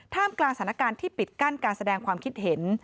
กลางสถานการณ์ที่ปิดกั้นการแสดงความคิดเห็น